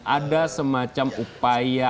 ada semacam upaya